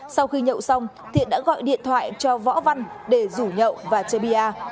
sau khi nhậu xong thiện đã gọi điện thoại cho võ văn để rủ nhậu và chê bia